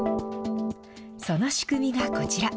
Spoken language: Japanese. その仕組みがこちら。